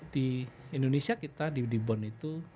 di indonesia kita dibon itu